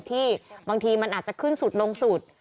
ที่บางทีมันอาจจะขึ้นสุดลงสุด